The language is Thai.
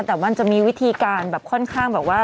แต่มันจะมีวิธีการแบบค่อนข้างแบบว่า